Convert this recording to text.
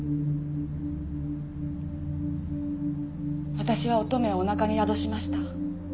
私は乙女をお腹に宿しました。